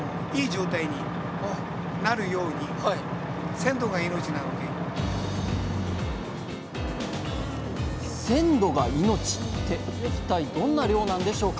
「鮮度が命」って一体どんな漁なんでしょうか？